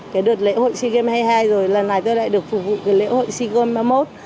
cái đợt lễ hội sea games hai mươi hai rồi lần này tôi lại được phục vụ cái lễ hội sea games ba mươi một